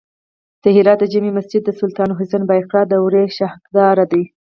د هرات د جمعې مسجد د سلطان حسین بایقرا دورې شاهکار دی